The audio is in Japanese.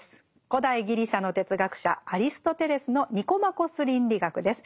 古代ギリシャの哲学者アリストテレスの「ニコマコス倫理学」です。